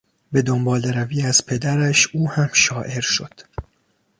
به دنبالهروی از پدرش او هم شاعر شد.